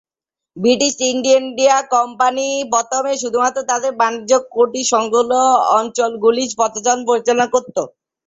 British East India company প্রথমে শুধুমাত্র তাদের বাণিজ্যকুঠি-সংলগ্ন অঞ্চলগুলির প্রশাসন পরিচালনা করত।